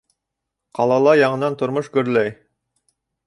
Ҡалала яңынан тормош гөрләй.